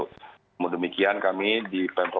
kemudian kami di pemprov